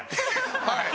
はい。